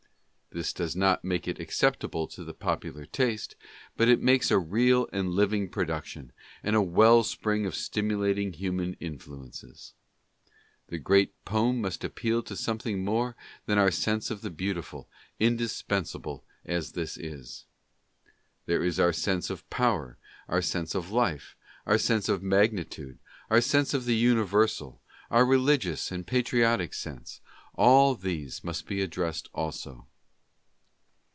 This does not make it acceptable to the popular taste, but it makes it a real and a living production, and a well spring of stimulating human influences. The great poem must appeal to something more than our sense of the beautiful, indispensable as this is. There is our sense of power, our sense of life, our sense of magnitude, our sense of the universal, our religious and patriotic sense — all these must be addressed also.